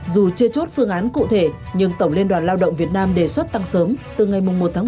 dù chưa chốt phương án cụ thể nhưng tổng liên đoàn lao động việt nam đề xuất tăng sớm từ ngày một tháng một